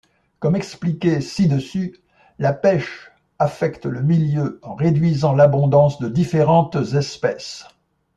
Comme expliqué ci-dessus, la pêche affecte le milieu en réduisant l’abondance de différentes espèces.